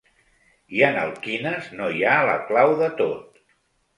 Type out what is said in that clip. I en el ‘quines no’ hi ha la clau de tot.